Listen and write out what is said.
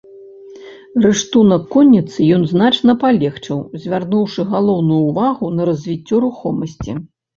Рыштунак конніцы ён значна палегчыў, звярнуўшы галоўную ўвагу на развіццё рухомасці.